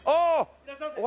いらっしゃいませ。